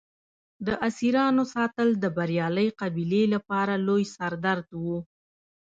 د اسیرانو ساتل د بریالۍ قبیلې لپاره لوی سر درد و.